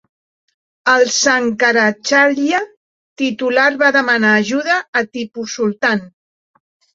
El "Shankaracharya" titular va demanar ajuda a Tipu Sultan.